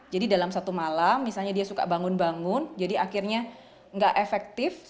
jadi dalam satu malam misalnya dia suka bangun bangun jadi akhirnya nggak efektif